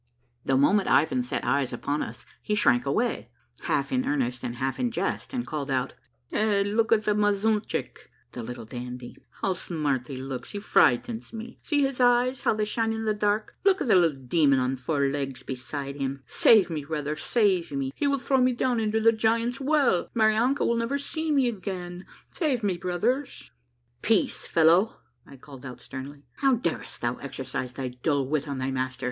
The moment Ivan set eyes upon us he shrank away, half in earnest and half in jest, and called out, — ''Hey, look at' the mazuntchick ! [Little Dandy!] How smart he looks ! He frightens me ! See his eyes, how they shine in the dark ! Look at the little demon on four legs beside him ! Save me, brothers ! Save me — he will throw me down into the Giants' Well ! Marianka will never see me again I Never 1 Save me, brothers !"'' Peace, fellow," I called out sternly. " How darest thou exercise thy dull wit on thy master?